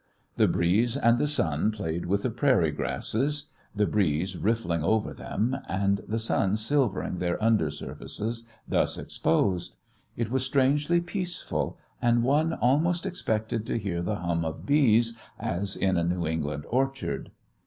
The breeze and the sun played with the prairie grasses, the breeze riffling them over, and the sun silvering their under surfaces thus exposed. It was strangely peaceful, and one almost expected to hear the hum of bees as in a New England orchard.